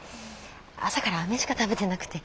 朝からあめしか食べてなくて。